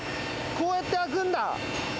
こうやって開くんだ。